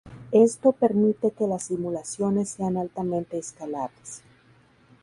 Esto permite que las simulaciones sean altamente escalables.